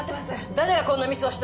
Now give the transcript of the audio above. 誰がこんなミスをしたの！